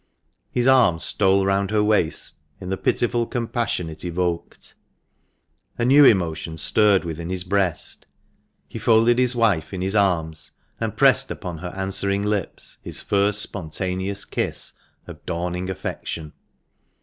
His arm stole round her waist in the pitiful compassion it evoked. A new emotion stirred within his breast. He folded his wife in his arms, and pressed upon her answering lips his first spon taneous kiss of dawning affection.